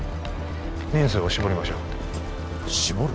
人数を絞りましょう絞る？